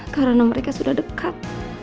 karena mereka sudah dekat